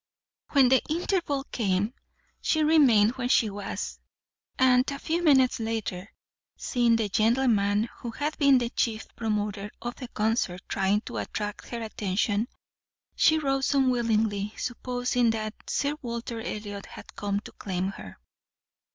When the interval came, she remained where she was, and, a few minutes later, seeing the gentleman who had been the chief promoter of the concert trying to attract her attention, she rose unwillingly, supposing that Sir Walter Elliot had come to claim her.